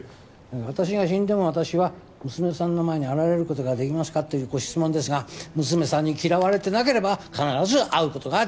私が死んでも私は娘さんの前に現れる事ができますか？というご質問ですが娘さんに嫌われてなければ必ず会う事ができます。